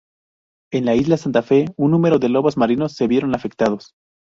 En la Isla Santa Fe, un número de lobos marinos se vieron afectados.